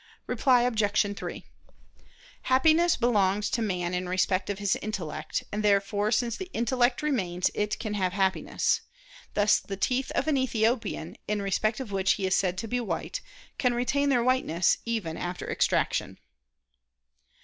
Reply Obj. 3: Happiness belongs to man in respect of his intellect: and, therefore, since the intellect remains, it can have Happiness. Thus the teeth of an Ethiopian, in respect of which he is said to be white, can retain their whiteness, even after extraction.